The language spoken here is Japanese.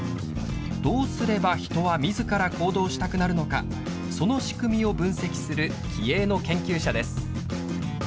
どうすれば人はみずから行動したくなるのかその仕組みを分析する気鋭の研究者です。